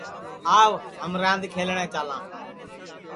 آو ہم راند کھیلٹؔے چالاں